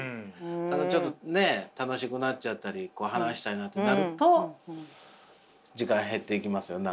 ただちょっとね楽しくなっちゃったり話したりなんてなると時間減っていきますよね。